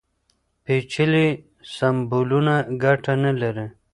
پېچلي سمبولونه ګټه نه لري.